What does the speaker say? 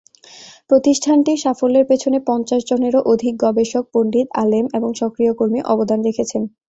প্রতিষ্ঠানটির সাফল্যের পেছনে পঞ্চাশ জনেরও অধিক গবেষক পণ্ডিত, আলেম এবং সক্রিয় কর্মী অবদান রেখেছেন।